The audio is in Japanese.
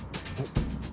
えっ？